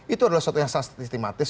itu adalah suatu yang sistematis